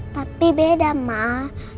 tapi beda mah